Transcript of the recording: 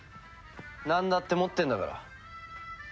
なんだって持ってるんだから。